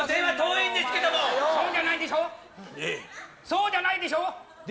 そうじゃないでしょ！